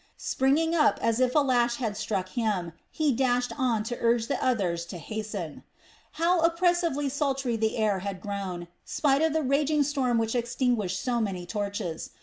Springing up as if a lash had struck him, he dashed on to urge the others to hasten. How oppressively sultry the air had grown, spite of the raging storm which extinguished so many torches!